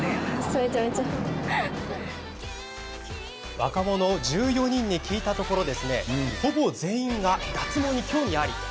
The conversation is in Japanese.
若者１４人に聞いたところほぼ全員が脱毛に興味あり。